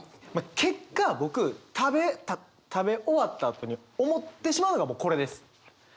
結果僕食べ終わったあとに思ってしまうのはこれです。